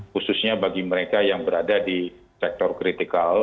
khususnya bagi mereka yang berada di sektor kritikal